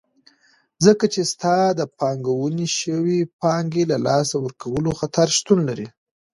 ځکه چې ستاسو د پانګونې شوي پانګې له لاسه ورکولو خطر شتون لري.